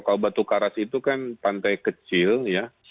kalau batu karas itu kan pantai kecil ya